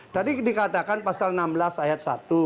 tadi dikatakan pasal enam belas ayat satu